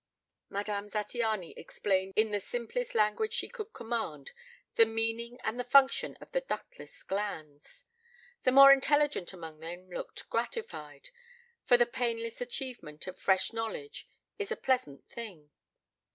Madame Zattiany explained in the simplest language she could command the meaning and the function of the ductless glands. The more intelligent among them looked gratified, for the painless achievement of fresh knowledge is a pleasant thing.